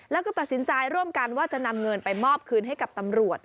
แล้วก็ตัดสินใจร่วมกันว่าจะนำเงินไปมอบคืนให้กับตำรวจ